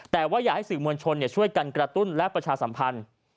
แต่ว่าอยากให้สื่อมวลชนช่วยกันกระตุ้นและประชาสัมพันธ์